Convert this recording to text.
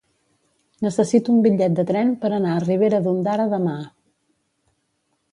Necessito un bitllet de tren per anar a Ribera d'Ondara demà.